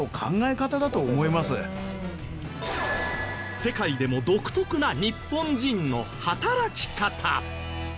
世界でも独特な日本人の働き方。